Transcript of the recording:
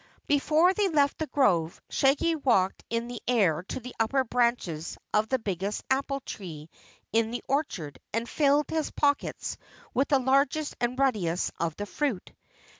Before they left the grove, Shaggy walked in the air to the upper branches of the biggest apple tree in the orchard and filled his pockets with the largest and ruddiest of the fruit.